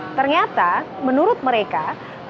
diantaranya yang pertama misalnya